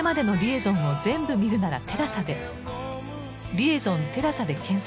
「リエゾンテラサ」で検索